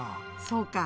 そうか。